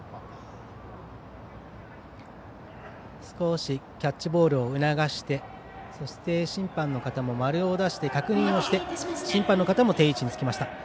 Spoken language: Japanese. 少しキャッチボールを促してそして、審判の方も丸を出して確認をして審判の方も定位置につきました。